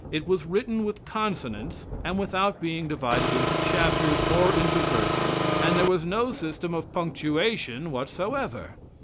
It was written with consonants, and without being divided into chapters or into verses, and there was no system of punctuation whatever.